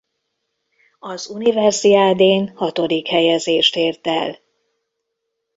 Az universiadén hatodik helyezést ért el.